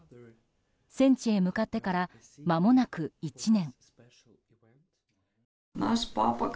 戦地へ向かってからまもなく１年。